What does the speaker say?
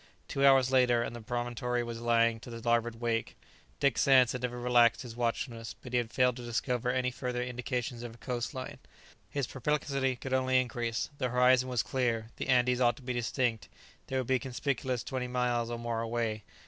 Two hours later, and the promontory was lying to the larboard wake. Dick Sands had never relaxed his watchfulness, but he had failed to discover any further indications of a coast line. His perplexity could only increase; the horizon was clear; the Andes ought to be distinct; they would be conspicuous twenty miles or more away.